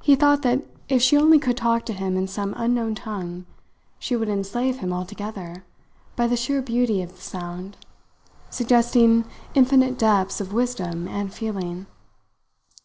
He thought that if she only could talk to him in some unknown tongue, she would enslave him altogether by the sheer beauty of the sound, suggesting infinite depths of wisdom and feeling.